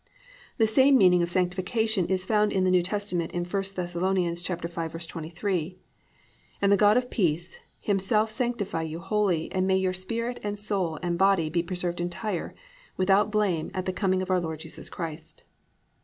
The same meaning of sanctification is found in the New Testament in I Thess. 5:23, +"And the God of Peace, Himself sanctify you wholly and may your Spirit and soul and body be preserved entire, without blame at the coming of our Lord Jesus Christ."